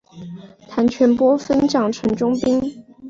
谭全播分掌城中兵。